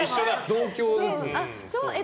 同郷です。